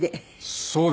そうですね。